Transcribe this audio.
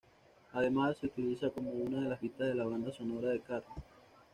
Además, se utiliza como una de las pistas de la banda sonora de "iCarly".